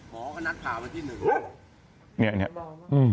หมอกับนักข่าวอันที่หนึ่งเนี่ยเนี่ยอืม